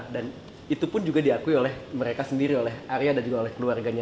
dan itu pun juga diakui oleh mereka sendiri oleh arya dan juga oleh keluarganya